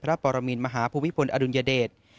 ปรมินมหาภูมิพลอดุลยเดช